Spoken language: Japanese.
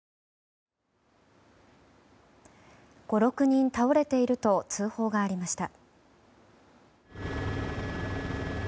５６人倒れていると通報がありました。